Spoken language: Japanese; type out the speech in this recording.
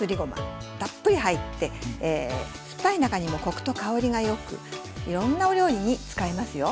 たっぷり入って酸っぱい中にもコクと香りがよくいろんなお料理に使えますよ。